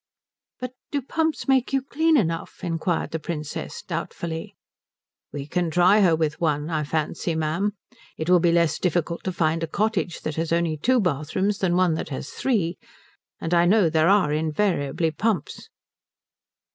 "But do pumps make you clean enough?" inquired the Princess, doubtfully. "We can try her with one. I fancy, ma'am, it will be less difficult to find a cottage that has only two bathrooms than one that has three. And I know there are invariably pumps."